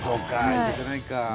行けてないかあ。